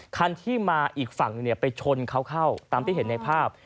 คันที่มาอีกฝั่งหนึ่งไปชนเขาเข้าตามที่เห็นในภาพ